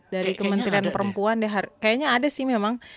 dari kementerian perempuan deh kayaknya ada sih memang